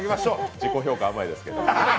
自己評価甘いですけど。